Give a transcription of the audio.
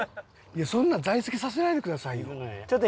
そんなん在籍させないでくださいよ。